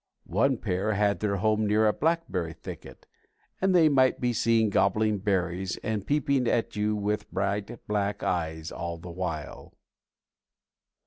One pair had their home near a blackberry thicket, and they might be seen gobbling berries and peeping at you with bright black eyes all the while.